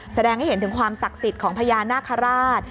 แสดงให้เห็นถึงความศักดิ์สิทธิ์ของพญานาคาราช